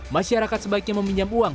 masyarakat sebaiknya meminjam uang